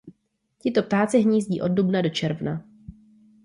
Tito ptáci hnízdí od dubna do června.